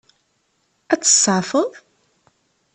Ad tt-tseɛfeḍ?